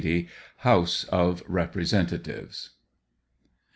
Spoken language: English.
IN THE HOUSE OF REPEESENTATIVES.